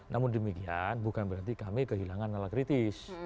namun demikian bukan berarti kami kehilangan nala kritis